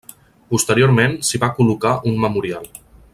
Posteriorment s'hi va col·locar un memorial.